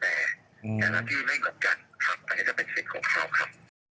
แน่นอนที่ไม่หลบกันไปให้เป็นศิลป์ของเขาครับ